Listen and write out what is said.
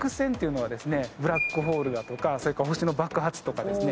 ブラックホールだとかそれから星の爆発とかですね